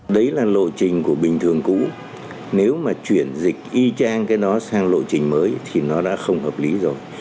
đấy là lộ trình của bình thường cũ nếu mà chuyển dịch y trang cái nó sang lộ trình mới thì nó đã không hợp lý rồi